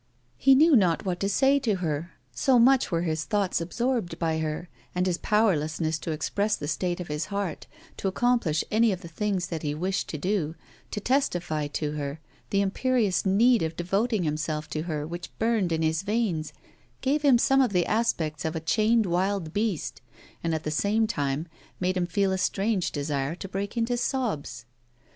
He knew not what to say to her so much were his thoughts absorbed by her; and his powerlessness to express the state of his heart, to accomplish any of the things that he wished to do, to testify to her the imperious need of devoting himself to her which burned in his veins, gave him some of the aspects of a chained wild beast, and, at the same time, made him feel a strange desire to break into sobs.